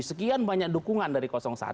sekian banyak dukungan dari satu